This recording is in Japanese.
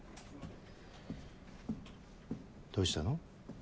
どうしたの？